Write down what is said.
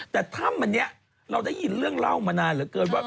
แต่ถ้ำอันนี้เราได้ยินเรื่องเล่ามานานเหลือเกินว่า